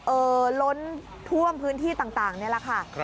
ล้นท่วมพื้นที่ต่างนี่แหละค่ะ